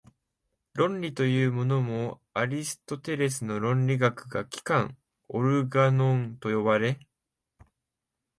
論理というものも、アリストテレスの論理学が「機関」（オルガノン）と呼ばれ、